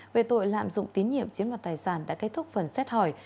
về tội lạm dụng tín nhiệm chiếm đoạt tài sản đã kết thúc phần xét hỏi